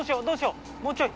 どうしよう？